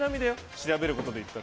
調べることで言ったら。